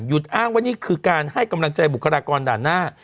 อ้างว่านี่คือการให้กำลังใจบุคลากรด่านหน้า